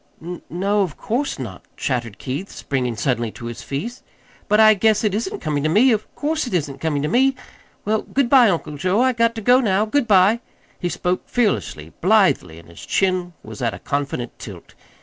"N no, of course not," chattered Keith, springing suddenly to his feet. "But I guess it isn't coming to me of course't isn't coming to me! Well, good bye, Uncle Joe, I got to go now. Good bye!" He spoke fearlessly, blithely, and his chin was at a confident tilt.